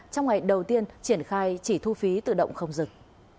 trong ngày đầu tiên triển khai chỉ thu phí tự động không dừng